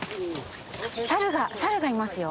サルがサルがいますよ！